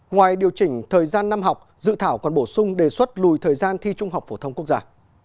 ngoài điều chỉnh thời gian năm học dự thảo còn bổ sung đề xuất lùi thời gian thi trung học phổ thông quốc gia